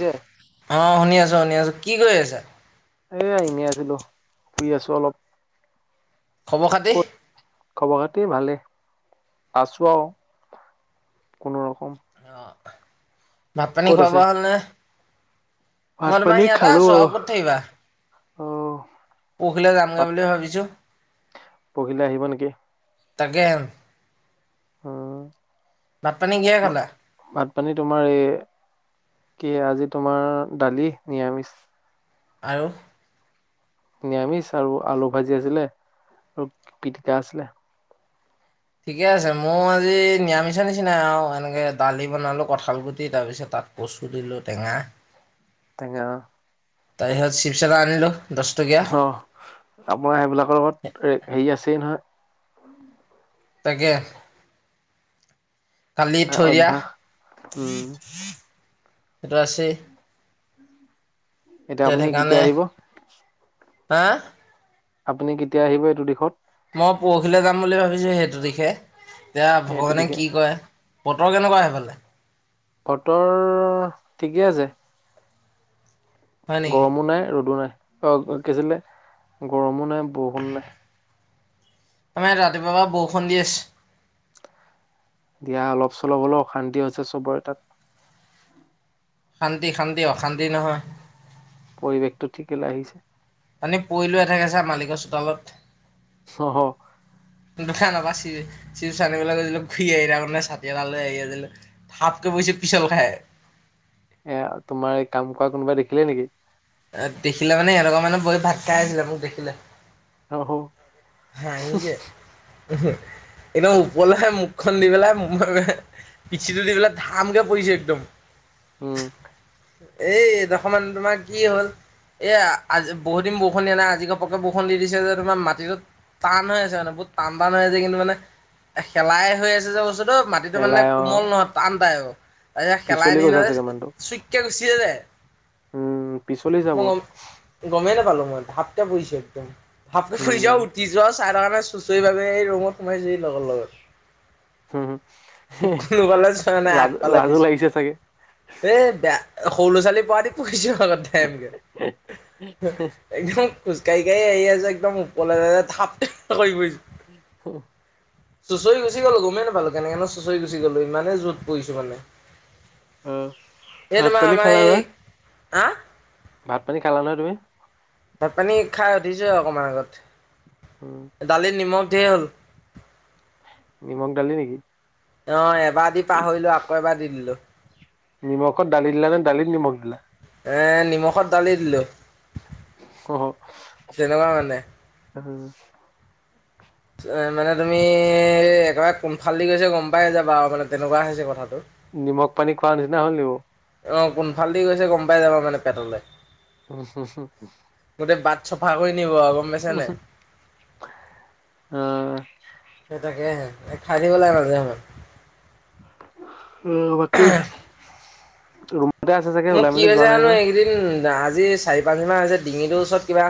যে অ' শুনি আছোঁ - শুনি আছোঁ। কি কৰি আছা? এ- এনে আছিলোঁ। ফুৰি আছোঁ অলপ। খবৰ-খাতি? খবৰ-খাতি ভালেই। আছোঁ আৰু, কোনো ৰকম। ভাত-পানী ক'ত আছে খোৱা-বোৱা হ'লনে? ভাত মই পানী তোমাৰ ইয়াতে খালো আছোঁ আৰু, ক'ত থাকিবা? অ পৰহিলে যামগে বুলি ভাবিছোঁ। পৰহিলৈ আহিব নেকি? তাকে। হুম। ভাত-পানী কিহে খালা? ভাত পানী তোমাৰ এই কি আজি তোমাৰ দালি, নিৰামিষ আৰু? নিৰামিষ আৰু, আলু ভাজি আছিলে আৰু পিটিকা আছিলে। ঠিকে আছে। মই আজি নিৰামিষৰ নিচিনাই আৰু, এনেকে দালি বনালো, কঁঠাল গুটি, তাৰপিছত তাক কচু দিলোঁ, টেঙা। টেঙা। তাইহত চিপছ এটা আনিলোঁ। দহ টকীয়া অ'। আপোনাৰ সেইবিলাকৰ লগত ৰে- হেৰি আছেই নহয়। তাকে। কালি থৈ দিয়া। অভ্যাস উম সেইটো আছে। এতিয়া আপুনি কেতিয়া আহিব? হা? আপুনি কেতিয়া আহিব এইটো দিশত? মই পৰহিলৈ যাম বুলি ভাবিছোঁ সেইটো দিশে। এতিয়া এইটো ভগৱানে দিশে কি কৰে। বতৰ কেনেকুৱা সেই ফালে? বতৰ ঠিকেই আছে। হয় নেকি গৰমো নাই, ৰ'দো নাই, অ' কি আছিলে, গৰমো নাই, বৰষুণো নাই। আমাৰ ইয়াত ৰাতিপুৱাৰ পৰা বৰষুণ দি আছে। দিয়া অলপ-চলপ হ'লেও অশান্তি হৈছে চবৰে তাত। শান্তি - শান্তি, অশান্তি নহয়। পৰিৱেশটো ঠিকে আহিছে। পানীত পৰিলোঁ এথেকেছা মালিকৰ চোতালত। হাঁ হাঁ। দোকানৰ পৰা চিপচ আনিবলৈ গৈছিলোঁ ঘূৰি আহি তাৰ মানে চাতি এটা লৈ আহি আছিলোঁ থাপ কে পৰিছে পিচল খায়। এ তোমাৰ এই কাম কৰা কোনোবাই দেখিলে নেকি! দেখিলে মানে এনেকুৱা মানে বৌৱে ভাত খাই আছিলে মোক দেখিলে। আহঁ। হাঁহিছে। একদম ওপৰলে মুখখন দি পেলাই। পিঠিতে দি পেলায় ধামকে পৰিছে একদম। উম। এই এদশমান তোমাৰ কি হ'ল! এ আজি বহুত দিন বৰষুণ দিয়া নাই আজি ঘপকে বৰষুণ দি দিছে যে তোমাৰ মাটিটোত। টান হৈ আছে মানে বহুত টান টান হৈ আছে কিন্তু মানে খেলাই হৈ আছে যে বস্তু। মাটিটো মানে এলাই অ কোমল নহয় টান টাই আৰু এয়া খেলা পিছলি নি গৈছা নলে চাগে মানুহটো চুইকে গুচিছে যে। উম পিছলিছা মই বহুত গম গমেই নোপালো। পইটা পইচা একদম হাপটা পইচা উম উঠ। চাহ তানে চুচৰি ভে এই ৰুমত সোমাইছো লগৰ লগত। হম কোনো গলেজ হয় নাই আগ লাজ পালে লাজো পিছ। লাগিছে চাগে এই বে সৰু ল' ছোৱালী পোৱ দি পুহিছো আগত টাইমকে একদম খোজকাঢ়ি আহি আছো একদম ওপলে থাপ পৰিছো হম চুঁচৰি গুচি গলো গমেই নাপালো কেনেকে চুঁচৰি গুচি গ'লো ইমানে জ'ত পৰিছো মানে অ এ ভাত তোমাৰ পানী আমাৰ খালা নহয় হেই আ ভাত পানী খালা নহয় তুমি ভাত পানী খাই সধিছো অকমান আগত উম দালিত নিমখ সেই টোৱাই নিমখ ডালি নেকি অঁ এবাৰ দি পাহৰিলো আকৌ এবাৰ দি দিলো নিমখত দালি দিলা নে দালিত নিমখ দিলা নিমখত দালি দিলোঁ তেনেকুৱা মানে ত [unintelligible] এ মানে তুমি একেবাৰে কোনফালদি গৈছ গম পাই যাবা আৰু মানে তেনেকুৱা হৈছে কথাটো নিমখ পানী খোৱা নিচিনা হ'লনি অঁ কোনফাল দি গৈছে গম পাই যাবা মানে পেটলৈ উম হুম গোটেই বাট চফা কৰি নিব আৰু গম পাইছ নে তাকে খাই দিব লাগে মাজে মাজে আহ বাকী। ৰুমতে আছে চাগে মোক ওলাই কি মেলি যোৱা হৈছে নাই জানো নহয় এইকেইদিন আজি চাৰি পাঁচদমান হৈছে ডিঙিটোৰ ওচৰত কিবা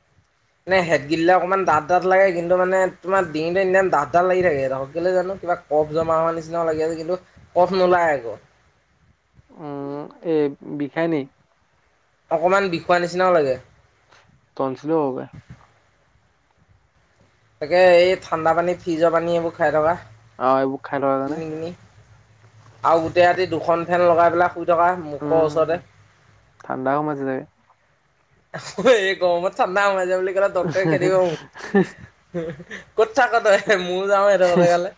[inaudible] মানে গতলিলাক অকণমান ডা ডঠ লাগে কিন্তু মানে তোমাৰ দিনটো ইমান ডাঠ ডা লাগি থাকে ধক গলে জানো কিবা কফ জমা হোৱাৰ নিচিনাও লাগি আছে কিন্তু কফ নোলাই আকৌ উম এই বিষায় ন অকণমান বিষোৱাৰ নিচিনাও লাগে টনচিলো হ'ব পাৰে তাকে এই ঠাণ্ডা পানী ফ্ৰিজৰ পানী এইবোৰ খাই থকা আহ এইবোৰক খাই ল জানে কিনি কিনি আৰু গোটেই ৰাতি দুখন ফেন লগাই পেলাই শুই থকা মুখৰ উম ওচৰতে ঠাণ্ডা সোমাইছে চাগে এই গমত ঠাণ্ডা সোমাইছে বুলি ক'লে ডক্তৰে খেদিব মোক ক'ত থাক তই ময়ো যাও সেইটো জেগালে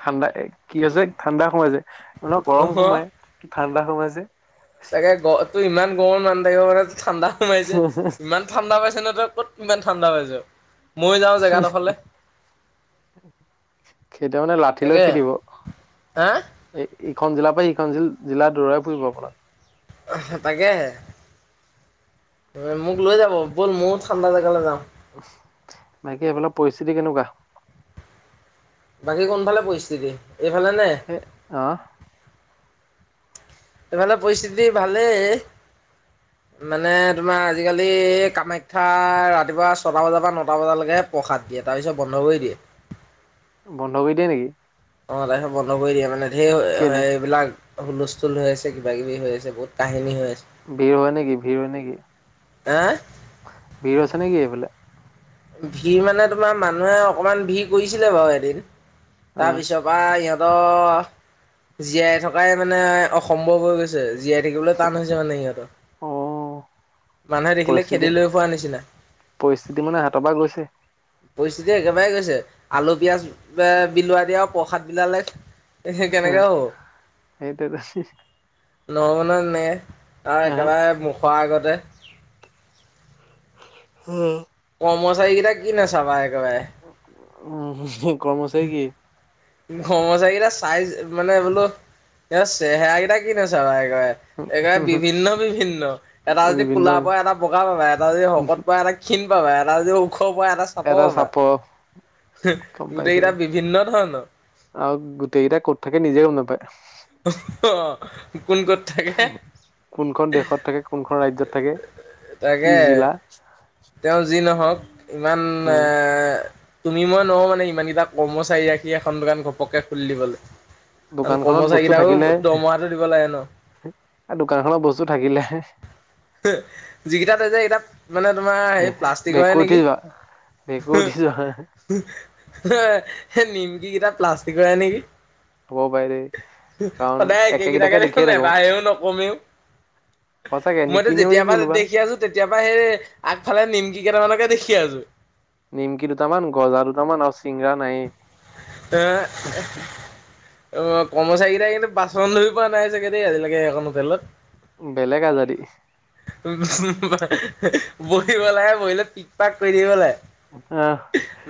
ঠাণ্ডা কি হৈছে ঠাণ্ডা সোমাইছে ম গৰম অহ সোমাই কি ঠাণ্ডা সোমাইছে ত ইমান গৰম মানুহ থাকিব পৰা নাই তোৰ ঠাণ্ডা সোমাইছে ইমান ঠাণ্ডা পাইছে ন ক'ত ইমান ঠাণ্ডা পাইছ মই যাও জেগাডোখৰলে খেদিব মানে লাঠি লৈ তাকে খেদিব হা এই ইখন জিলাৰ পৰা সিখন জিলাৰ দৌৰাই ফুৰিব আপোনাৰ স তাকেহে মোক লৈ যাব ব'ল ময়ো ঠাণ্ডা জেগালৈ যাওঁ বাকী এইফালৰ পৰিস্থিতি কেনেকোৱা বাকী কোনফালে পৰিস্থিতি এইফালে নে? হেই অহ এইফালে পৰিস্থিতি ভালেই। মানে তোমাৰ আজিকালি কামাখ্যা ৰাতিপুৱা ছটা বজাৰ পৰা নটা বজালৈকে প্ৰসাদ দিয়ে তাৰপিছত বন্ধ কৰি দিয়ে। বন্ধ কৰি দিয়ে নেকি। অ তাৰপিছত বন্ধ কৰি দিয়ে মানে ধেৰ কেলে? এইবিলাক হুলস্থুল হৈ আছে কিবা কিবি হৈ আছে বহুত কাহিনী হৈ আছে ভিৰ হয় নেকি ভিৰ হয় নেকি এ ভিৰ হৈছে নেকি এইফালে। ভিৰ মানে তোমাৰ মানুহে অকমান ভিৰ কৰিছিলে বাৰু এদিন। তাৰ অ' পিছৰপা ইহত জীয়াই থকাই মানে অসম্ভৱ হৈ গৈছে। জীয়াই থাকিবলে টান হৈছে মানে সিহঁতৰ অ' মানুহে দেখিলে পৰিস্থিতি খেদি লৈ ফুৱা নিচিনা পৰিস্থিতি মানে হাতৰ পৰা গৈছে। পৰিস্থিতি একেবাৰে গৈছে আলু পিয়াজ বিলোৱ দিয়ে আৰু প্ৰসাদ বিলালে এ কেনেকে হব। সেইটোৱেটো ন মান এনে আৰু আহ একেবাৰে মুখৰ আগতে উম কৰ্মচাৰী কেইটা কি নাচাবা একেবাৰে উম কৰ্মচাৰী কি। কৰ্মচাৰী কেইটা চাইজ মানে বোলো এই চেহেৰাকেইটা কি নাচাবা এই বিভিন্ন বিভিন্ন এটা যদি বিভিন্ন কোলাৰ পৰা এটা বগা পাবা এটা যদি শকত পোৱা এটা ক্ষীণ পাবা এটা যদি ও খৰ পোৱা এটা চাপৰ পাবা গম পাইছো। গোটেইকেইটা বিভিন্ন ধৰণৰ। আৰু গোটেই কেইটা ক'ত থাকে নিজে গম নাপায়। অ অ কোন ক'ত থাকে কোনখন দেশত থাকে কোনখন ৰাজ্যত থাকে তাকে কি জিলা। তেওঁ যি নহওক ইমান এ উম তুমি মই নহওঁ মানে ইমানকেইটা কৰ্মচাৰী ৰাখি এখন দোকান ঘপকে খুলি দিবলে। দোকানখনত কৰ্মচাৰীকেইটাকো দৰমহাটো দিব লাগে ন। দোকানখন বস্তু থাকিলেহে। যিকেইটা থৈছে সেইকেইটা মানে তোমাৰ সে প্লাষ্টিকৰহে ভেকুৰ উঠি নেকি। যোৱা ভেঁকুৰ উঠি যোৱা নিমকি কেইটা প্লাষ্টিকৰে নেকি। হ'ব পাৰে দেই। কাৰণ সদায় একেকেইটাকে একেগেইটাকে দেখোন দেখিয়ে থাকো নেবাহেও নকমেও। সঁচাকে মইতো নিকিনেও নেকি যেতিয়াপা কোনোবা। দেখি আছো তেতিয়া পৰা সেই আগফ নিমকি কেইটামানকে দেখি আছো। নিমকি দুটামান গজা দুটামান আৰু চিংগৰা নাইয়ে হে অ কৰ্মচাৰীকেইটাই কিন্তু বাচন ধুই পোৱা নাই চাগে দেই আজিলৈকে সেইখন হোটেলত বেলেগ আজাদি বহিব লাগে বহিলে পিক পাক কৰি থাকিব লাগে।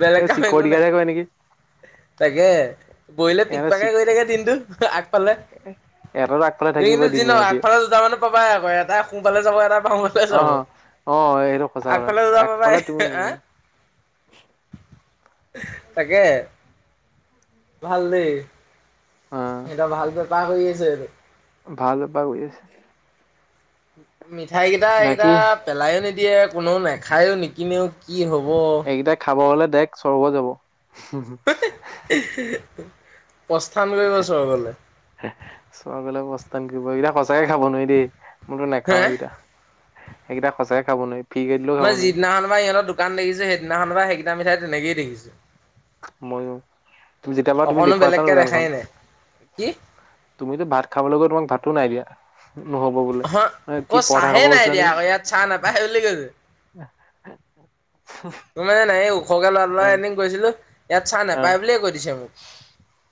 বেলেগ এই কাম একো চিকটি নাই গাৰ্ডে কৰে নেকি। তাকে বহিলে পিক ইহঁতে পাকে চিক কৰি থাকে দিনটো পালে ইহঁতৰ আগফালে তুমি কিন্তু থাকিবই যি দিনে নহওক ৰাতিয়ে আগফালে দুটা মানুহ পাবাই আকৌ এটাই সো ফালে চাব এটাই অ অ অ এইটো সঁচা কথা আগফালে দুটা পাবাই একফালে তুমি হা [unintelligible] তাকে ভাল দেই অ সেইকেইটা ভাল বেপাৰ কৰি আছে। ভাল বেপাৰ কৰি আছে। মিঠাই কেইটা এইকেইটা বাকী পেলাইও নিদিয়ে কোনো নেখায়ো নিকিনেও কি হ'ব দাৰেক্ট স্বৰ্গ যাব [unintelligible] প্ৰস্থান কৰিব স্বৰ্গলে চোৱা বেল বস্ত [unintelligible] ন কৰিব এইকেইটা সঁচাইে খাব নোৱাৰি দেই মইতো হে নাখাও এইকেইটা সেইকেইটা সঁচাকে খাব নোৱাৰি ফ্ৰী কে দিলেও খাব মই নোৱাৰি যিদিনাখনৰ পৰা ইহঁৰ দোকান দেখিছো সেইদিনাখনৰ পৰা সেইকেইটা মিঠাই তেনেকে দেখিছো ময়ো তুমি যেতিয়াপা তুমি অকণো দেখুৱাইছা ন বেলেগকে দেখাই দোকানখন নাই কি তুমিতো ভাত খাবলৈ গৈ তোমাক ভাতো নাই দিয়া নহব বোলে হ কি ক'ত পৰঠা চাহে খাব নাই গৈছিলা দিয়া নেকি আকৌ ইয়াত চাহ নাপায় বুলি কৈছে। আ [inaudible] তোৰ মানে এই ওখকে ল'ৰাটো এ লগত এদিন গৈছিলো ইয়াত চাহ নাপায় বুলিয়ে কৈ দিছে মোক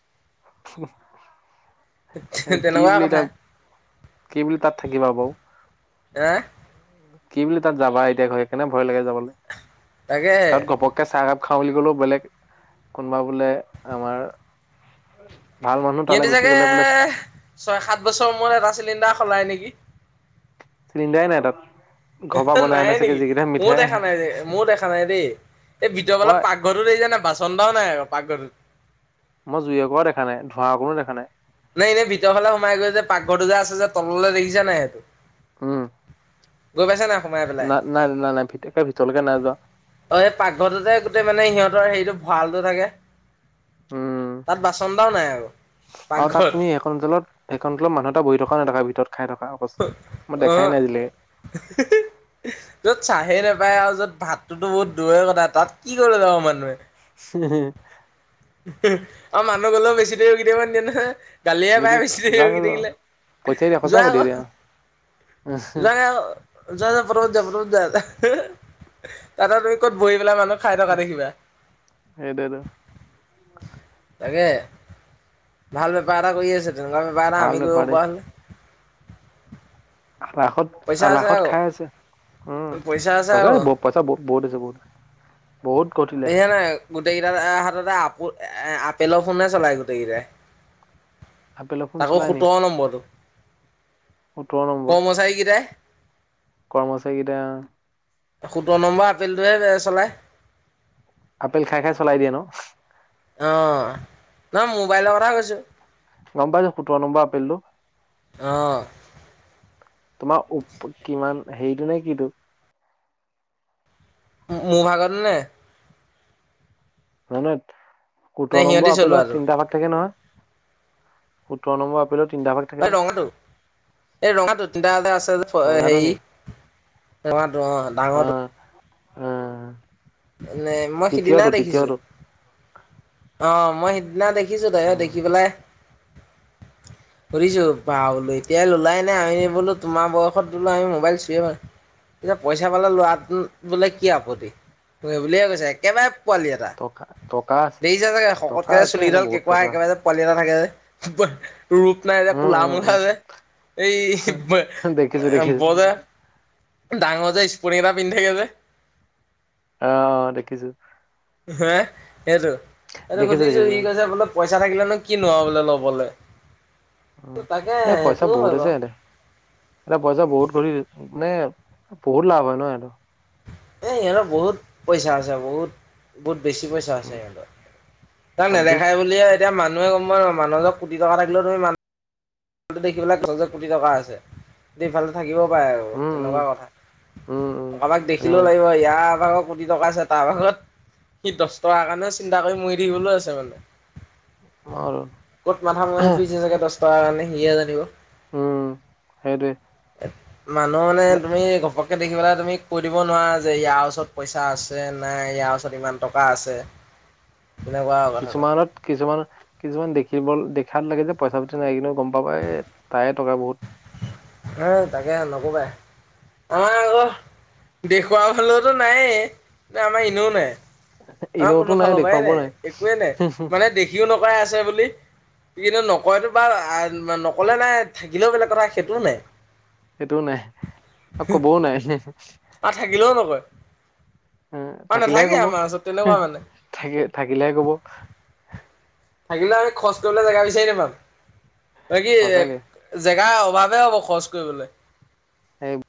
উম [unintelligible] এ কি তেনেকুৱা বুলি কথা কম কি বুলি তাত থাকিবা বাও হা কি বুলি তাত যাবা এতিয়া সেইকাৰনে ভয় লাগে যাবলে তাকেহে তাত ঘপককে চাহকাপ খাও বুলি ক'লেও বেলেগ কোনবা বোলে আমাৰ ভাল মানুহ তালৈ সিহঁতি গুচি চাগে গ'লে বোলে ছয় সাত বছৰ মূৰত এটা চিলিণ্ডাৰ সলায় নেকি চিলিণ্ডাই নাই তাত ঘৰ পৰা বনাই আনে নাই চাগে নেকি যিকেইটা ময়ো মিঠাই দেখা নাই যে ময়ো দেখা নাই দেই এই ভিতৰফালে মই পাকঘৰটো দেখিছা নাই বাচন এটাও নাই আকৌ পাকঘৰটোত মই জুই একোৱাও দেখা নাই ধোঁৱা অকণো দেখা নাই নাই এনেই ভিতৰ ফালে সোমাই গৈ যে পাকঘৰটো যে আছে যে তললৈ দেখিচা নাই সেইটো উম গৈ পাইছা নাই সোমাই পেলাই না নাই নাই নাই ভিতৰলৈকে নাই যোৱা অ পাকঘৰতে গোতেই মানে সিহঁত হেৰিটো ভঁৰালটো থাকে উম তাত বাচন এটাও নাই আৰু আৰু তাত তুমি সেই সেইখন হোটেলত সেইখন হোটেলত মানুহ এটা বহী থকা নেদেখা ভিতৰত খাই থকা অৱস্থাত মই অ দেখাই নাই আজিলৈকে য'ত চাহেই নেপায় আৰু য'ত ভাতটোতো বহুত দূৰেৰ কথা তাত কি কৰিব যাব মানুহে [unintelligible] অ মানুহ গ'লেও বেছি দেৰি ৰখি থাকিব নিদিয়ে নহয় গালিয়ে পায় নিদেখ বেছি দেৰি যা যা ৰখি যা থাকিলে পঠিয়াই দিয়া সঁচা যোৱা আকৌ পঠিয়াই দিয়া। যোৱা আকো যোৱা যোৱা পতাপত যোৱা তাতে তুমি ক'ত বহি পেলে মানুহ খাই থকা দেখিবা সেইটোৱেটো তাকে ভাল বেপাৰ এটা কৰি আছে তেনেকুৱা বেপাৰ এটা ভাল আমি বেপাৰ কৰিব দেই পৰা হলে আলাসত পইচা আছে -আলাসত আকৌ খাই আছে। উম, পইচা আছে পইছা আকৌ -পইছা বহুত আছে বহুত। বহুত ঘটিলে দেখা নাই গোটেইকেইটাৰ হাতত এ আপো আপেলৰ ফোনে চলাই গোটেইকেইটাই। আপেলৰ ফোন তাকো চলাই নি সোতৰ নম্বৰটো। সোতৰ নম্বৰ কৰ্মচাৰীকেইটাই কৰ্মচাৰীকেইটা সোতৰ নম্বৰ আপেলটোহে [unintelligible] চলায়। আপেল খাই -খাই চলাই দিয়ে ন? আহ, নহয় মোবাইলৰ কথা কৈছো। গম পাইছো সোতৰ নম্বৰ আপেলটো অহ তোমাৰ অপ কিমান হেৰিটো নে কিটো? মোৰ ভাগৰটো নে নহয় -নহয় নে সোতৰ নম্বৰ সিহঁতি আপেলত চলোৱাটো? তিনিটা ভাগ থাকে নহয়। সোতৰ নম্বৰ আপেলত তিনিটা ভাগ থাকে ন এই ৰঙাটো -এই ৰঙাটো তিনিটা এতে আছে ৰঙাটো নি হেৰি ৰঙাটো অহ ডাঙৰটো। আ নে মই সিদিনা দেখিছো। অহ, মই সিদনা দেখিছো তাইয় উম দেখি পেলাই [inaudible] সুধিছোঁ বা বলো এতিয়া ললাই নে আমি বোলো তোমাৰ বয়সত বোলো আমি মোবাইল চুইয়ে পোৱা নাই। এতিয়া পইচা পালে লোৱা বোলে কি আপত্তি বুলিয়ে কৈছে একেবাৰে পোৱালি এটা। টকা- টকা আছে দেখিছা চাগে টকা শকতকে যে আছে সিহঁতৰ চুলিডাল বহুত কেঁকুৱা টকা আছে একেবাৰে যে পোৱালি এটা থাকে যে ৰূপ নাই যে উম কোলা - উম মোলা উম যে এই দেখিছো দেখিছো ব যে ডাঙৰ যে স্পৰ্টিং এটা পিন্ধি থাকে যে আহ, অ দেখিছো। হে সেইটো এইটো দেখিছো সুধিছো দেখিছো সি কৈছে বোলে পইচা পইচা থাকিলে নু কিনো আও বোলে ল'বলে। উম, তাকে এ পইচা সেইটোও বহুত হয় আছে বাৰু এহেতৰ এটা পইচা বহুত ঘুৰি নে বহুত লাভ হয় ন' এহঁতৰ। এ ইহতৰ বহুত পইচা আছে বহুত- বহুত বেছি পইচা আছে উম সিহঁতৰ তাক অধিক নেদেখাই বুলিয়ে এতিয়া মানুহে গম পাও ন' মানুহৰ ওচৰত কোটি টকা থাকিলেও তুমি [unintelligible] থাকিব পাৰে আৰু উম উম তেনেকুৱা কথা। উম উম কাবাক দেখিলেও তেনেকৈ লাগিব ইয়াৰ আকৌ কোটি টকা আছে তাৰ ভাগত সি দচ টকাৰ কাৰণেও চিন্তা কৰি মৰি থাকিবলো আছে মানে। আৰু [inaudible] ক'ত মাথা মাৰি ফুৰিছে চাগে দচ টকাৰ কাৰণে সিয়হে জানিব। উম, সেইটোৱেই। মানুহ মানে তুমি ঘপককে দেখি পেলাই তুমি কৈ দিব নোৱাৰা যে ইয়াৰ ওচৰত পইচা আছে নাই ইয়াৰ ওচৰত ইমান টকা আছে তেনেকুৱা আৰু কথাটো কিছুমানত- কিছুমান- কিছুমান দেখিব দে চান লাগে যে পইচা -পাতি নাই কিন্তু গম পাবা এ তায়ে টকা বহুত। উম, তাকে নকবাই। আমাৰ আকৌ দেখুৱা হলেওতো নায়েই, আমাৰ এনেও নাই। অহ, কোনোফালৰ পৰাই নাই, একোৱেই নাই মানে দেখিও নকয় আছে বুলি কিন্তু, নকয়তো বা নকলে নাই থাকিলেও বেলেগ কথা সেইটোও নাই। সেইটোও নাই আৰু কবও নাই। [unintelligible] আৰু থাকিলেও নকয় হম, আৰু থাকিলেহে নাথাকে কব আমাৰ ওচৰত হুহ তেনেকুৱা মানে থাকি - থাকিলেহে কব। থাকিলে আমি খৰচ কৰিবলে জেগা বিচাৰি নাপাম এই সঁচাকে কি জেগা অভাৱে হ'ব খৰচ কৰিবলৈ। সেই।